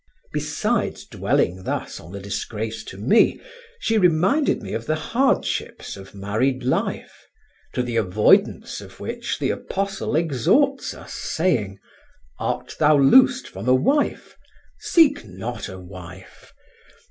Besides dwelling thus on the disgrace to me, she reminded me of the hardships of married life, to the avoidance of which the Apostle exhorts us, saying: "Art thou loosed from a wife? seek not a wife.